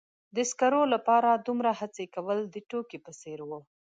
د سکرو لپاره دومره هڅې کول د ټوکې په څیر و.